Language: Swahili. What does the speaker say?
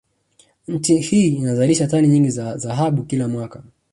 Nchi hii inazalisha tani nyingi za dhahabu kila mwaka